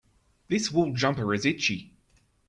This wool jumper is itchy.